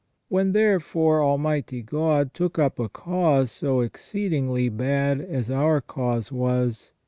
When, therefore, Almighty God took up a cause so exceedingly bad as our cause was.